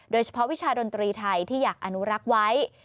โดยเฉพาะวิชาดนตรีไทยที่อยากอนุรักษ์ไว้